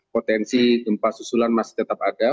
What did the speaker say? potensi gempa susulan masih tetap ada